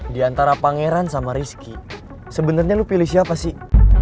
di antara pangeran sama rizky sebenarnya lu pilih siapa sih